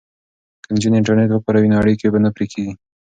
که نجونې انټرنیټ وکاروي نو اړیکې به نه پرې کیږي.